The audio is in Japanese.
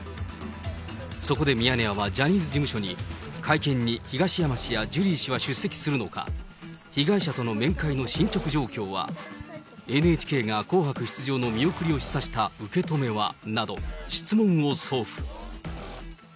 そこでミヤネ屋はジャニーズ事務所に、会見に東山氏やジュリー氏は出席するのか、被害者との面会の進捗状況は、ＮＨＫが紅白出場の見送りを示唆した受け止めはなど、質問を送付。